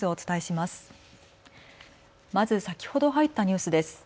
まず先ほど入ったニュースです。